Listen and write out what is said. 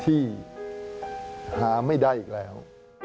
ที่หาไม่ได้อีกแล้ว